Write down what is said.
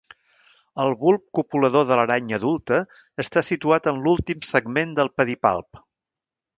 El bulb copulador de l'aranya adulta està situat en l'últim segment del pedipalp.